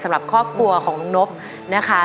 สำหรับครอบครัวของน้องนบนะคะ